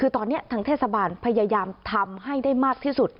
คือตอนนี้ทางเทศบาลพยายามทำให้ได้มากที่สุด